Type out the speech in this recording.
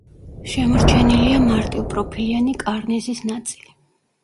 შემორჩენილია მარტივპროფილიანი კარნიზის ნაწილი.